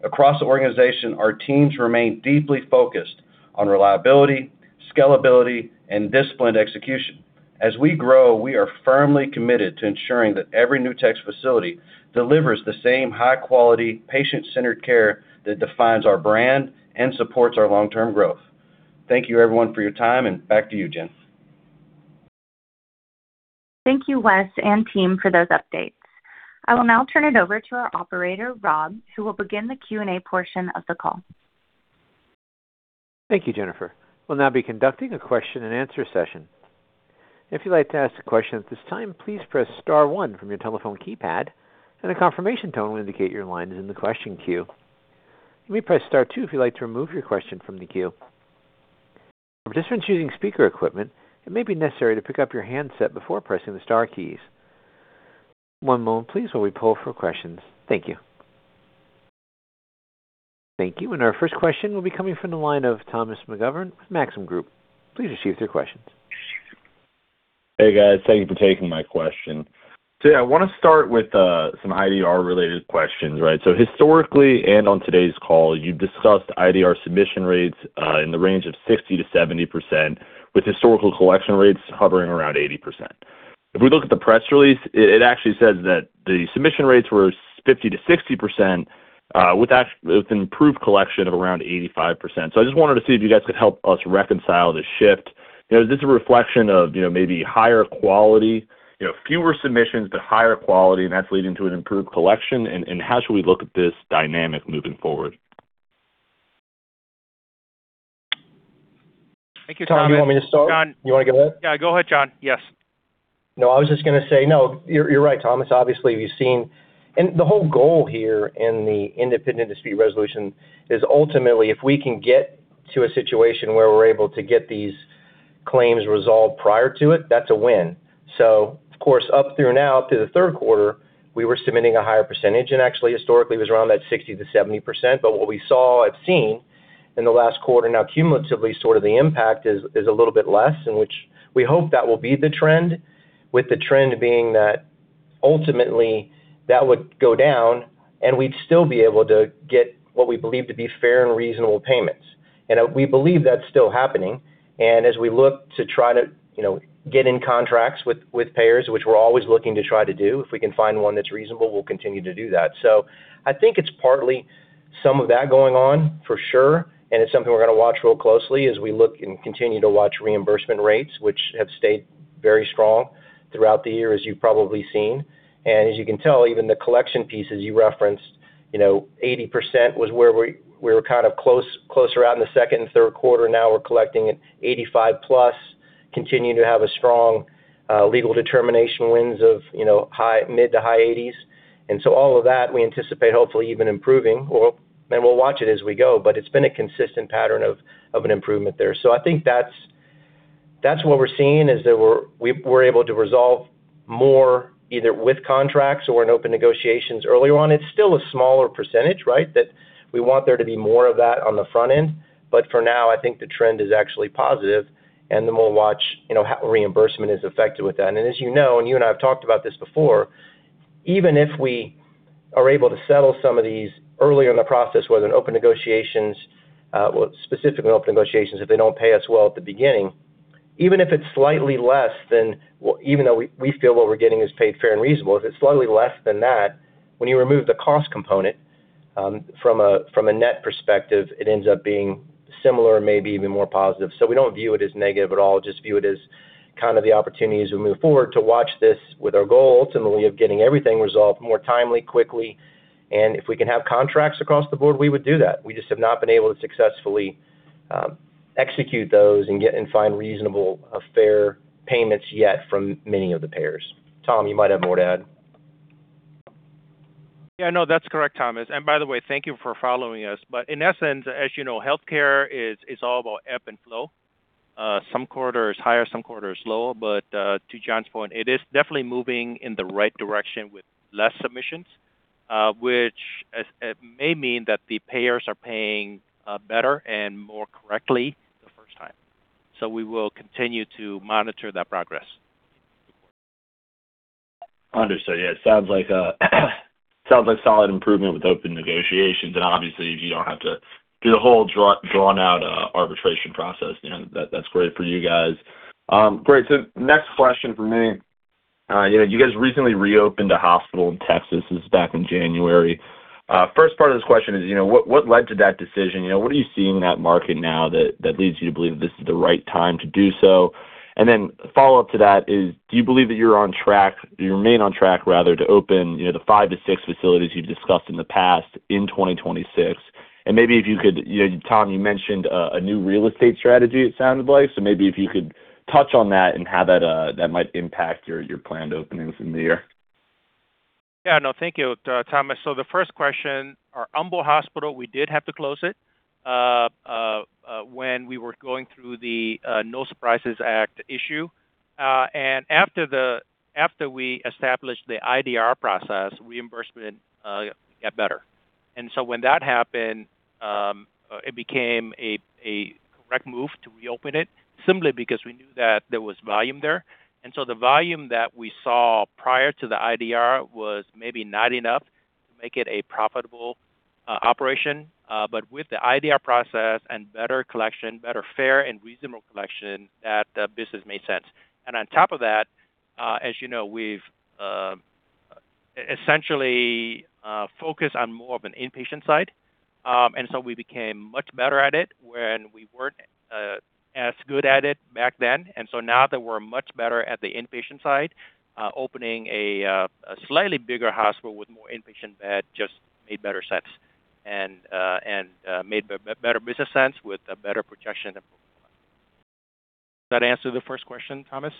Across the organization, our teams remain deeply focused on reliability, scalability, and disciplined execution. As we grow, we are firmly committed to ensuring that every Nutex's facility delivers the same high quality patient-centered care that defines our brand and supports our long-term growth. Thank you everyone for your time and back to you, Jen. Thank you, Wes and team for those updates. I will now turn it over to our operator, Rob, who will begin the Q&A portion of the call. Thank you, Jennifer. We'll now be conducting a question and answer session. If you'd like to ask a question at this time, please press star one from your telephone keypad, and a confirmation tone will indicate your line is in the question queue. You may press star two if you'd like to remove your question from the queue. For participants using speaker equipment, it may be necessary to pick up your handset before pressing the star keys. One moment please while we pull for questions. Thank you. Thank you. Our first question will be coming from the line of Michael Okunewitch with Maxim Group. Please receive your questions. Hey, guys. Thank you for taking my question. Yeah, I wanna start with some IDR-related questions, right? Historically, and on today's call, you've discussed IDR submission rates in the range of 60%-70%, with historical collection rates hovering around 80%. If we look at the press release, it actually says that the submission rates were 50%-60% with improved collection of around 85%. I just wanted to see if you guys could help us reconcile the shift. You know, is this a reflection of, you know, maybe higher quality, you know, fewer submissions, but higher quality, and that's leading to an improved collection? How should we look at this dynamic moving forward? Thank you, Tom. Jon, you want me to start? Jon. You wanna go ahead? Yeah, go ahead, Jon. Yes. No, I was just gonna say you're right, Thomas. Obviously, we've seen... The whole goal here in the Independent Dispute Resolution is ultimately, if we can get to a situation where we're able to get these claims resolved prior to it, that's a win. Of course, up through now to the third quarter, we were submitting a higher percentage, and actually historically was around that 60%-70%. What I've seen in the last quarter, now cumulatively sort of the impact is a little bit less, in which we hope that will be the trend, with the trend being that ultimately that would go down and we'd still be able to get what we believe to be fair and reasonable payments. We believe that's still happening. As we look to try to, you know, get in contracts with payers, which we're always looking to try to do, if we can find one that's reasonable, we'll continue to do that. I think it's partly some of that going on for sure, and it's something we're gonna watch real closely as we look and continue to watch reimbursement rates, which have stayed very strong throughout the year, as you've probably seen. As you can tell, even the collection pieces you referenced, you know, 80% was where we were kind of close around the second and third quarter. Now we're collecting at 85+, continuing to have a strong legal determination wins of, you know, mid to high 80s. All of that, we anticipate hopefully even improving or and we'll watch it as we go. It's been a consistent pattern of an improvement there. I think that's what we're seeing, is that we're able to resolve more either with contracts or in open negotiations early on. It's still a smaller percentage, right? That we want there to be more of that on the front end. For now, I think the trend is actually positive, and then we'll watch, you know, how reimbursement is affected with that. As you know, and you and I have talked about this before, even if we are able to settle some of these earlier in the process, whether in open negotiations, well, specifically open negotiations, if they don't pay us well at the beginning, even if it's slightly less than... Even though we feel what we're getting is paid fair and reasonable, if it's slightly less than that, when you remove the cost component, from a, from a net perspective, it ends up being similar or maybe even more positive. We don't view it as negative at all, just view it as kind of the opportunities we move forward to watch this with our goal ultimately of getting everything resolved more timely, quickly. If we can have contracts across the board, we would do that. We just have not been able to successfully execute those and get and find reasonable or fair payments yet from many of the payers. Tom, you might have more to add. Yeah, no, that's correct, Thomas. By the way, thank you for following us. In essence, as you know, healthcare is all about ebb and flow. Some quarters higher, some quarters lower. To Jon's point, it is definitely moving in the right direction with less submissions, it may mean that the payers are paying better and more correctly the first time. We will continue to monitor that progress. Understood. Yeah, it sounds like solid improvement with open negotiations and obviously if you don't have to do the whole drawn-out arbitration process, you know, that's great for you guys. Great. Next question from me. You know, you guys recently reopened a hospital in Texas. This is back in January. First part of this question is, you know, what led to that decision? You know, what are you seeing in that market now that leads you to believe that this is the right time to do so? A follow-up to that is, do you believe that you're on track, you remain on track, rather, to open, you know, the five to six facilities you've discussed in the past in 2026? Maybe if you could, you know, Tom, you mentioned a new real estate strategy, it sounded like. Maybe if you could touch on that and how that might impact your planned openings in the year? Yeah, no, thank you, Thomas. The first question, our Humble hospital, we did have to close it when we were going through the No Surprises Act issue. After we established the IDR process, reimbursement got better. When that happened, it became a correct move to reopen it simply because we knew that there was volume there. The volume that we saw prior to the IDR was maybe not enough. Make it a profitable operation. With the IDR process and better collection, better fair and reasonable collection, that the business made sense. On top of that, as you know, we've essentially focused on more of an inpatient side. We became much better at it when we weren't as good at it back then. Now that we're much better at the inpatient side, opening a slightly bigger hospital with more inpatient bed just made better sense and made better business sense with a better projection of. Does that answer the first question, Thomas?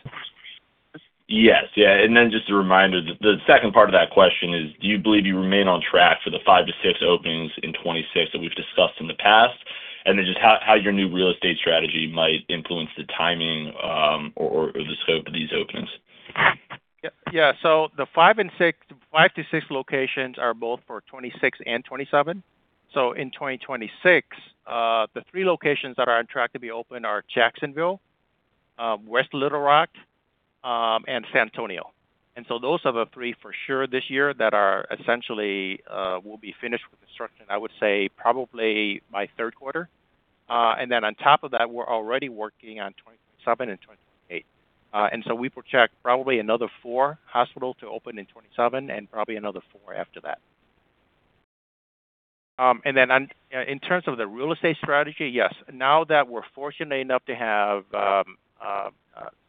Yes. Yeah. Just a reminder, the second part of that question is, do you believe you remain on track for the five to six openings in 2026 that we've discussed in the past? Just how your new real estate strategy might influence the timing, or the scope of these openings. Yeah. The five to six locations are both for 2026 and 2027. In 2026, the three locations that are on track to be open are Jacksonville, West Little Rock, and San Antonio. Those are the three for sure this year that are essentially will be finished with construction, I would say probably by third quarter. On top of that, we're already working on 2027 and 2028. We project probably another four hospital to open in 2027 and probably another four after that. In terms of the real estate strategy, yes. Now that we're fortunate enough to have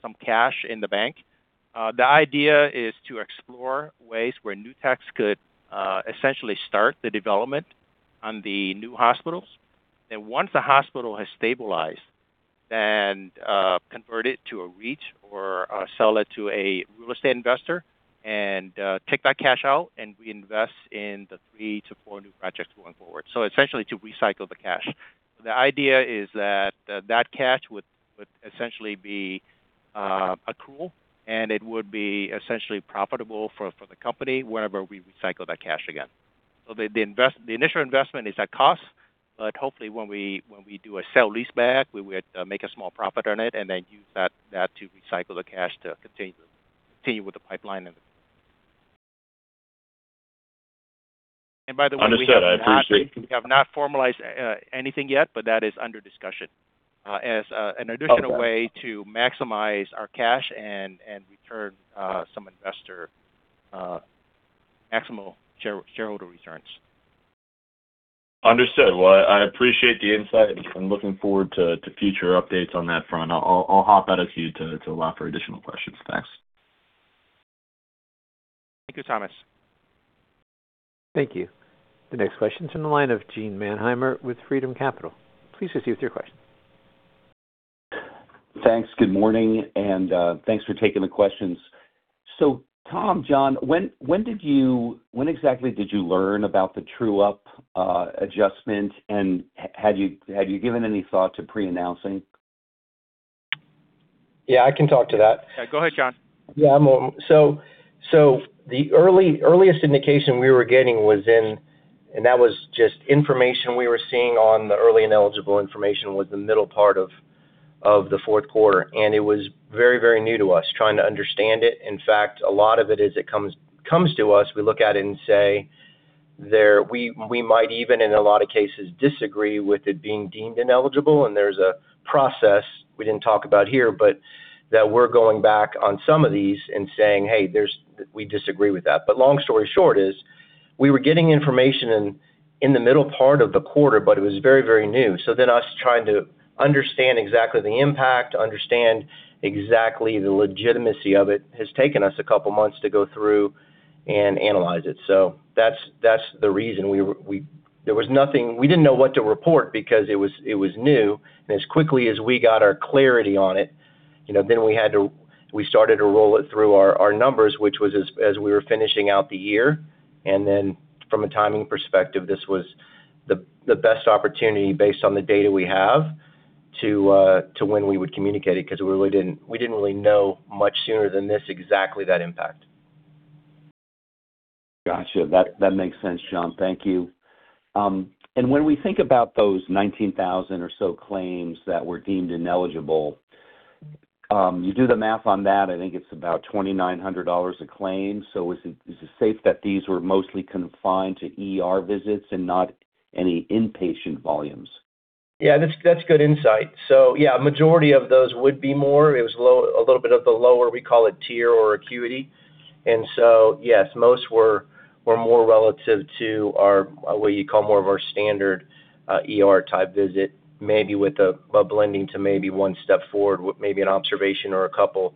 some cash in the bank, the idea is to explore ways where Nutex could essentially start the development on the new hospitals. Once the hospital has stabilized, then convert it to a REIT or sell it to a real estate investor and take that cash out. We invest in the three to four new projects going forward. Essentially to recycle the cash. The idea is that that cash would essentially be accrual. It would be essentially profitable for the company wherever we recycle that cash again. The initial investment is a cost, but hopefully when we do a sale leaseback, we would make a small profit on it and then use that to recycle the cash to continue with the pipeline. By the way- Understood. I appreciate- We have not formalized anything yet, but that is under discussion as an additional way to maximize our cash and return some investor maximal shareholder returns. Understood. Well, I appreciate the insight and looking forward to future updates on that front. I'll hop out of queue to allow for additional questions. Thanks. Thank you, Thomas. Thank you. The next question is from the line of Gene Mannheimer with Freedom Capital. Please proceed with your question. Thanks. Good morning, and thanks for taking the questions. Tom, Jon, when exactly did you learn about the true-up adjustment, and had you given any thought to pre-announcing? Yeah, I can talk to that. Yeah, go ahead, Jon. The earliest indication we were getting was, and that was just information we were seeing on the early ineligible information was the middle part of the fourth quarter. It was very new to us trying to understand it. In fact, a lot of it as it comes to us, we look at it and say there. We might even, in a lot of cases, disagree with it being deemed ineligible. There's a process we didn't talk about here, but that we're going back on some of these and saying, "Hey, there's we disagree with that." Long story short is, we were getting information in the middle part of the quarter, but it was very new. Us trying to understand exactly the impact, understand exactly the legitimacy of it, has taken us a couple months to go through and analyze it. That's the reason. There was nothing. We didn't know what to report because it was new. As quickly as we got our clarity on it, you know, we started to roll it through our numbers, which was as we were finishing out the year. From a timing perspective, this was the best opportunity based on the data we have to when we would communicate it because we didn't really know much sooner than this exactly that impact. Gotcha. That makes sense, Jon. Thank you. When we think about those 19,000 or so claims that were deemed ineligible, you do the math on that, I think it's about $2,900 a claim. Is it safe that these were mostly confined to ER visits and not any inpatient volumes? Yeah, that's good insight. Yeah, majority of those would be more. A little bit of the lower, we call it tier or acuity. Yes, most were more relative to our, what you call more of our standard ER-type visit, maybe with a blending to maybe one step forward with maybe an observation or a couple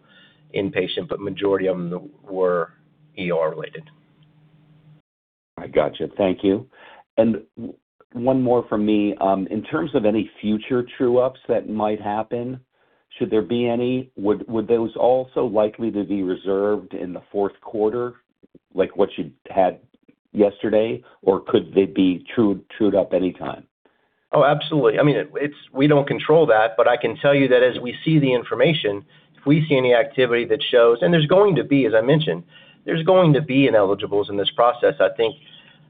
inpatient, but majority of them were ER-related. I got you. Thank you. One more from me. In terms of any future true-ups that might happen, should there be any, would those also likely to be reserved in the fourth quarter, like what you had yesterday? Could they be trued up anytime? Oh, absolutely. I mean, we don't control that, but I can tell you that as we see the information, if we see any activity that shows... There's going to be, as I mentioned, there's going to be ineligibles in this process. I think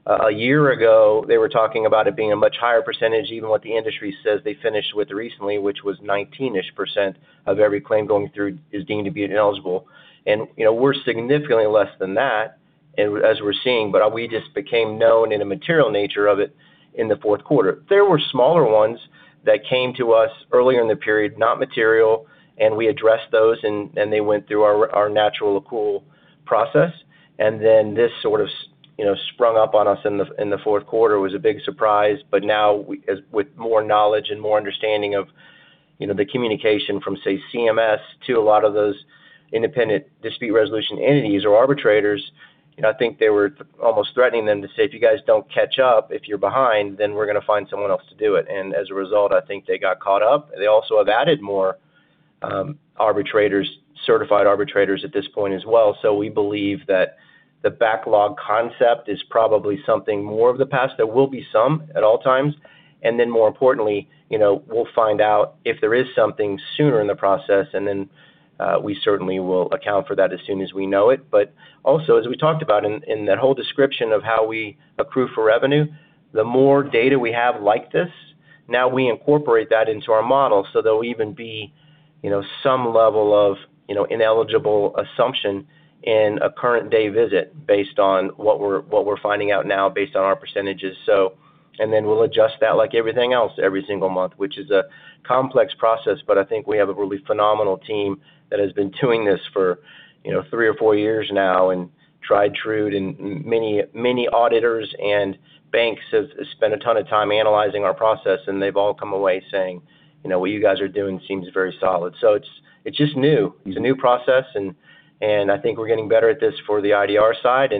a year ago, they were talking about it being a much higher percentage, even what the industry says they finished with recently, which was 19-ish% of every claim going through is deemed to be ineligible. You know, we're significantly less than that. As we're seeing, but we just became known in a material nature of it in the fourth quarter. There were smaller ones that came to us earlier in the period, not material, and we addressed those and they went through our natural accrual process. This sort of, you know, sprung up on us in the, in the fourth quarter, was a big surprise. Now as with more knowledge and more understanding of, you know, the communication from, say, CMS to a lot of those Independent Dispute Resolution Entities or arbitrators, I think they were almost threatening them to say, "If you guys don't catch up, if you're behind, then we're gonna find someone else to do it." As a result, I think they got caught up. They also have added more arbitrators, certified arbitrators at this point as well. We believe that the backlog concept is probably something more of the past. There will be some at all times. More importantly, you know, we'll find out if there is something sooner in the process, and then, we certainly will account for that as soon as we know it. Also, as we talked about in that whole description of how we accrue for revenue, the more data we have like this, now we incorporate that into our model. There'll even be, you know, some level of, you know, ineligible assumption in a current day visit based on what we're finding out now based on our percentages. We'll adjust that like everything else every single month, which is a complex process, but I think we have a really phenomenal team that has been doing this for, you know, three or four years now and tried, trued, and many auditors and banks have spent a ton of time analyzing our process, and they've all come away saying, "You know what you guys are doing seems very solid." It's just new. It's a new process and I think we're getting better at this for the IDR side.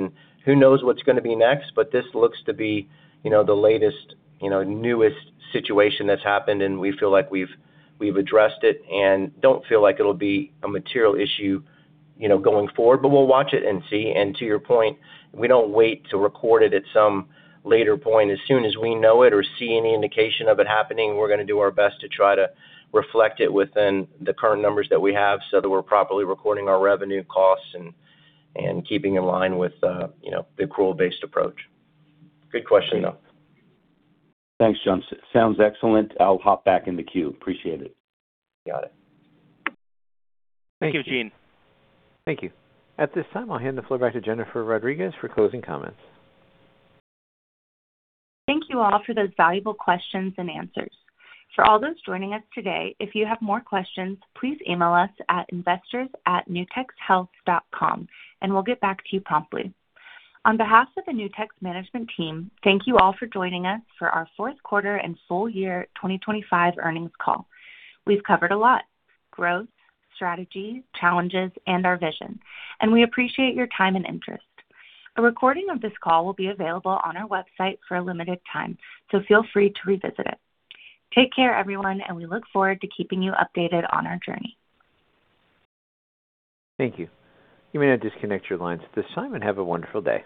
Who knows what's gonna be next, but this looks to be, you know, the latest, you know, newest situation that's happened, and we feel like we've addressed it and don't feel like it'll be a material issue, you know, going forward. We'll watch it and see. To your point, we don't wait to record it at some later point. As soon as we know it or see any indication of it happening, we're gonna do our best to try to reflect it within the current numbers that we have so that we're properly recording our revenue costs and keeping in line with, you know, the accrual-based approach. Good question, though. Thanks, Jon. Sounds excellent. I'll hop back in the queue. Appreciate it. Got it. Thank you. Thank you, Gene. Thank you. At this time, I'll hand the floor back to Jennifer Rodriguez for closing comments. Thank you all for those valuable questions and answers. For all those joining us today, if you have more questions, please email us at investors@nutexhealth.com, we'll get back to you promptly. On behalf of the Nutex's management team, thank you all for joining us for our fourth quarter and full year 2025 earnings call. We've covered a lot: growth, strategy, challenges, and our vision, we appreciate your time and interest. A recording of this call will be available on our website for a limited time, feel free to revisit it. Take care, everyone, and we look forward to keeping you updated on our journey. Thank you. You may now disconnect your lines at this time, and have a wonderful day.